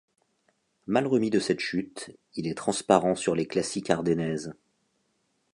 Mal remis de cette chute, il est transparent sur les classiques ardennaises.